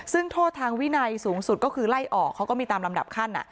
ซึ่งโทษทางวินัยสูงสุดก็คือไล่ออกเขาก็มีตามลำดับขั้น